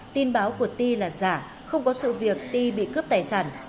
tin báo của ti là giả không có sự việc ti bị cướp tài sản